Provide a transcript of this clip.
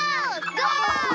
ゴー！